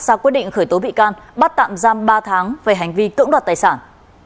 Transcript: ra quyết định khởi tố bị can bắt tạm giam ba tháng về hành vi cưỡng đoạt tài sản